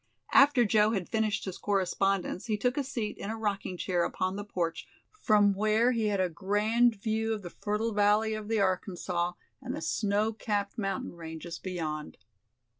After Joe had finished his correspondence he took a seat in a rocking chair upon the porch from where he had a grand view of the fertile valley of the Arkansas and the snow capped mountain ranges beyond.